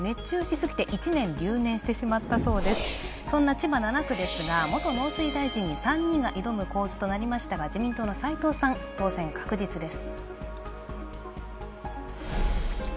千葉７区、元農水大臣に３人が挑む構図となりましたが自民党の齊藤さん、当選確実です。